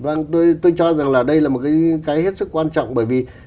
vâng tôi cho rằng là đây là một cái hết sức quan trọng bởi vì